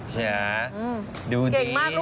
เก่งมากลูก